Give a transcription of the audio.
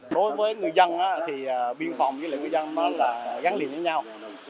đối với người dân thì biên phòng với người dân là gắn liền với nhau